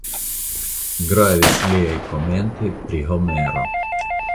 Gravis liaj komentoj pri Homero.